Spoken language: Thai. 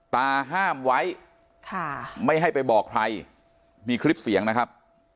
ห้ามไว้ค่ะไม่ให้ไปบอกใครมีคลิปเสียงนะครับ